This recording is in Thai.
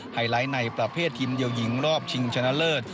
ไฮไลท์ในประเภททีมเดียวหญิงรอบชิงชนะเลิศ